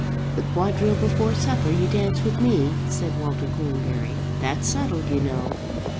"The quadrille before supper you dance with me," said Walter Cornbury. "That's settled, you know."